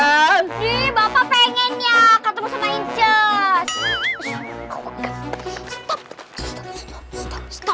nanti bapak pengen ya ketemu sama inces